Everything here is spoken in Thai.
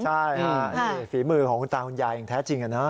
ใช่ค่ะนี่ฝีมือของคุณตาคุณยายอย่างแท้จริงนะ